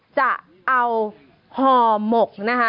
จะเอาห่อหมกนะคะ